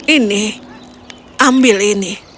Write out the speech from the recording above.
ini ambil ini